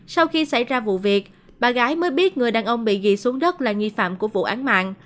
sau khi xảy ra vụ việc bà gái mới biết người đàn ông bị dị xuống đất là nghi phạm của vụ án mạng